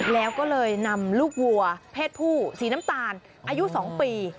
แล้วก็เลยนำลูกวัวเพศผู้สีน้ำตาลอายุ๒ปี